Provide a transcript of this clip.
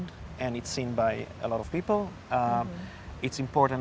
dan diperlihatkan oleh banyak orang